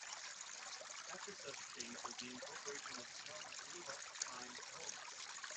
Another such change was the incorporation of some real-time elements.